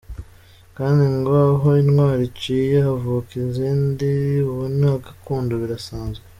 Kandi ngo aho intwari iciye havuka izindi, uwo ni gakondo birasanzwe.